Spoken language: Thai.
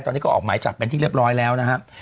ตอนนี้ก็ออกหมายจับเป็นที่เรียบร้อยแล้วนะครับ